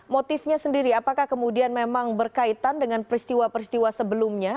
motifnya sendiri apakah kemudian memang berkaitan dengan peristiwa peristiwa sebelumnya